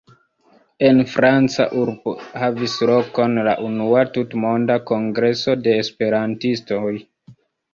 En franca urbo havis lokon la unua tutmonda kongreso de Esperantistoj.